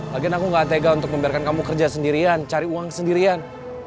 lagian aku gak tega untuk membiarkan kamu kerja sendirian cari uang sendirian